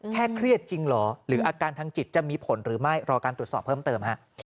เครียดจริงเหรอหรืออาการทางจิตจะมีผลหรือไม่รอการตรวจสอบเพิ่มเติมฮะ